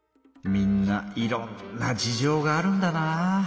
みんないろんな事情があるんだな。